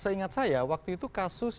seingat saya waktu itu kasus